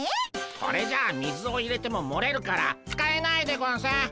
これじゃあ水を入れてももれるから使えないでゴンス。